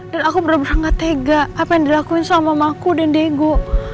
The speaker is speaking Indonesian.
dan aku bener bener gak tega apa yang dilakuin sama mama aku dan diego